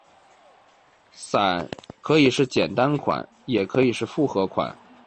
伞可以是简单款，也可以是复合款。